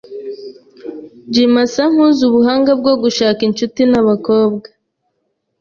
Jim asa nkuzi ubuhanga bwo gushaka inshuti nabakobwa.